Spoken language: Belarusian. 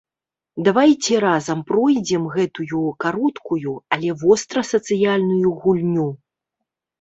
Давайце разам пройдзем гэтую кароткую, але вострасацыяльную гульню.